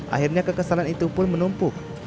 akhirnya kekesalan itu pun menumpuk